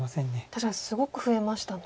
確かにすごく増えましたね。